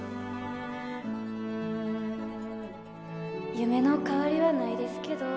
夢の代わりはないですけど